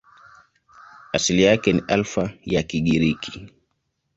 Asili yake ni Alfa ya Kigiriki.